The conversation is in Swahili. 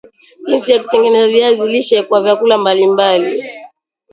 jinsi ya kutengeneza viazi lishe kwa vyakula mbali mbali